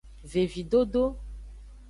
Vevidodo.